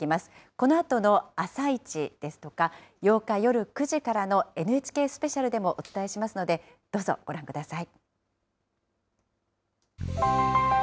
このあとのあさイチですとか、８日夜９時からのＮＨＫスペシャルでもお伝えしますので、どうぞご覧ください。